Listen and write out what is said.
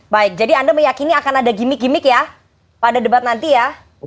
baik jadi anda meyakini akan ada gimmick gimmick ya pada debat nanti ya